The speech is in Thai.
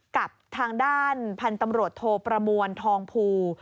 กับทางด้านพันธุ์ตำรวจโทประมวลทองภู